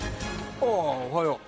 ああおはよう。